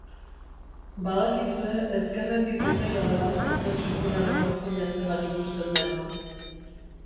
Badakizue ezkerretik ez zaidala gustatzen sudurraren profila zelan ikusten den.